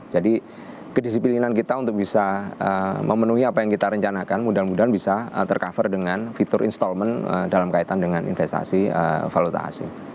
jadi kedisiplinan kita untuk bisa memenuhi apa yang kita rencanakan mudah mudahan bisa tercover dengan fitur installment dalam kaitan dengan investasi valuta asing